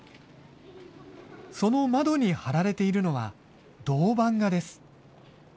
その窓に貼られているのは銅版画です。